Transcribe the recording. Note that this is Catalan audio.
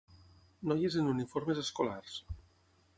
Noies en uniformes escolars.